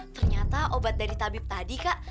ternyata obat dari tabib tadi kak